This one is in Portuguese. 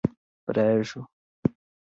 Brejo